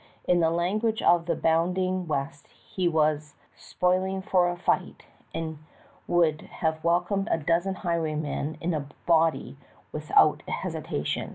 In the language of the bounding West he was "spoiling for a fight," and would have welcomed a dozen highwaymen in a body without hesitation.